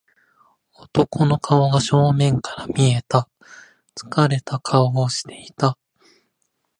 男の顔が正面から見えた。疲れた顔をしていた。